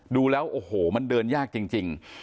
ดูแล้วโอ้โหมันเดินยากจริง